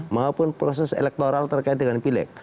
maupun proses elektoral terkait dengan pileg